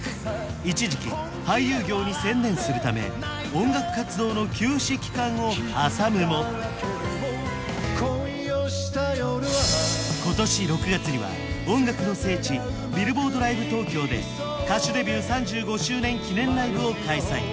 一時期俳優業に専念するため音楽活動の休止期間を挟むも恋をした夜は今年６月には音楽の聖地ビルボードライブ東京で歌手デビュー３５周年記念ライブを開催